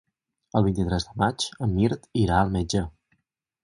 El vint-i-tres de maig en Mirt irà al metge.